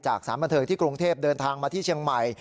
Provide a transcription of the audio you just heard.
สารบันเทิงที่กรุงเทพเดินทางมาที่เชียงใหม่